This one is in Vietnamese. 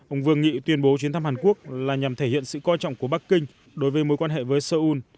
ông vương nghị tuyên bố chuyến thăm hàn quốc là nhằm thể hiện sự coi trọng của bắc kinh đối với mối quan hệ với seoul